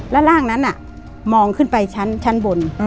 แล้วร่างนั้นมองขึ้นไปชั้นบน